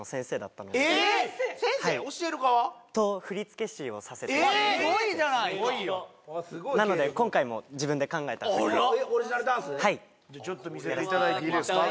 教える側？とすごいじゃないなので今回も自分で考えた振りでオリジナルダンス？じゃちょっと見せていただいていいですか？